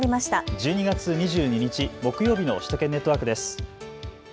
１２月２２日、木曜日の首都圏ネットワークです。